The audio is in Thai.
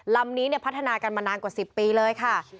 ลำนี้พัฒนากันมานานกว่า๑๐ปีเลยค่ะ